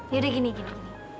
yaudah gini gini